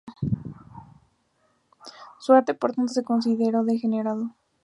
Su arte, por tanto, se consideró "degenerado".